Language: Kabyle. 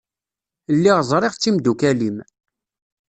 Lliɣ ẓriɣ d timdukal-im.